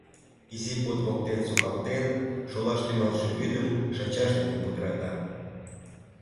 изи под воктен сукалтен, шолаш тӱҥалше вӱдым шанчаш дене пудырата.